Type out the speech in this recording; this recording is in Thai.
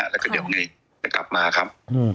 แล้วจะกลับมาครับ